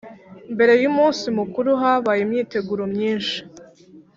Mbere y’umunsi mukuru habaye imyiteguro myinshi